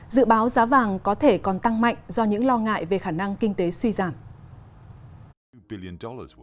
dự báo giá vàng có thể còn tăng mạnh do những lo ngại về khả năng kinh tế suy giảm